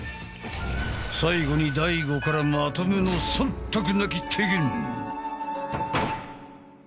最後に大悟からまとめの忖度なき提言。